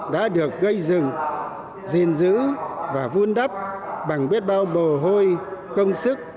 đã được gây dựng gìn giữ và vun đắp bằng biết bao bồ hôi công sức